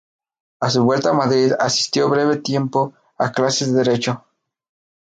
A su vuelta a Madrid, asistió breve tiempo a clases de Derecho.